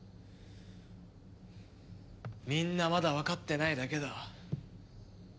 みんなまだわかってないだけだ。